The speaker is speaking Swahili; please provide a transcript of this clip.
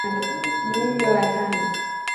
Muundo wa tano